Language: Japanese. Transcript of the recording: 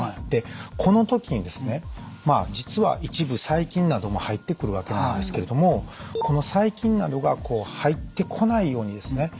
でこの時にですね実は一部細菌なども入ってくるわけなんですけれどもこの細菌などがこう入ってこないようにですね